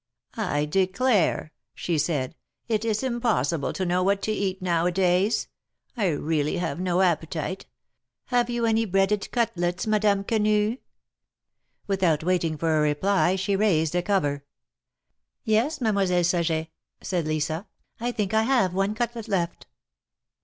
declare,'' she said, ^^it is impossible to know what to eat now a days'. I really have no appetite. Have you any breaded cutlets, Madame Quenu ?" Without waiting for a reply, she raised a cover. Yes, Mademoiselle Saget," said Lisa, think I have one cutlet left."